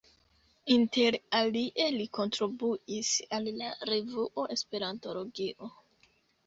Inter alie li kontribuis al la revuo Esperantologio.